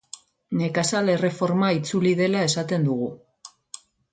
Nekazal erreforma itzuli dela esaten dugu.